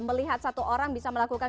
melihat satu orang bisa melakukan